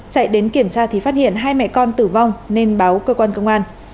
chạy đến kiểm tra thì phát hiện hai mẹ con tử vong nên báo cơ quan công an